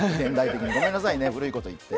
ごめんなさいね、古いこと言って。